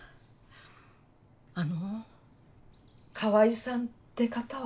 あの川合さんって方は？